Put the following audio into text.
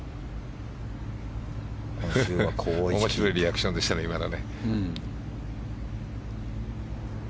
面白いリアクションでしたね、今の。